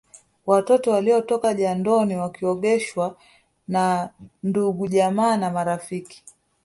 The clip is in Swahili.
Watoto waliotoka jandoni wakiogeshwa na ndugujamaa na marafiki